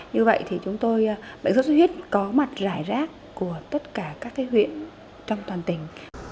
như vậy thì chúng tôi bệnh xuất xuất huyết có mặt rải rác của tất cả các huyện trong toàn tỉnh